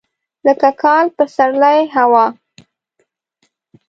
لکه کال، پسرلی، هوا.